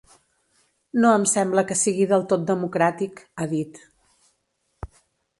No em sembla que sigui del tot democràtic, ha dit.